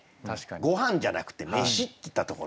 「ごはん」じゃなくて「飯」って言ったところがね